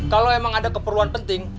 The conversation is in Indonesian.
kalau memang ada keperluan penting